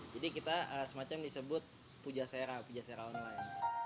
jadi kita semacam disebut pujasera pujasera online